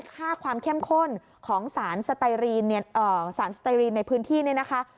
ค่าความเข้มข้นของสารสไนสารสตรีนในพื้นที่เนี่ยนะคะ